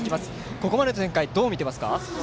ここまでの展開はどう見ていますか？